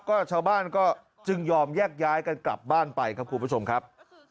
ก็ชาวบ้านก็จึงยอมแยกย้ายกันกลับบ้านไปครับคุณผู้ชมครับ